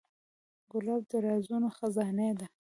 ګلاب د رازونو خزانې ده.